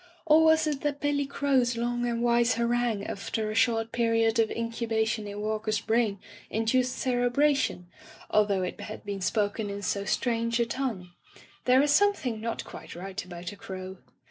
Or was it that Billy Crow's long and wise harangue after a short period of incubation in Walker's brain induced cere bration, although it had been spoken in so strange a tongue? There is something not quite right about a crow.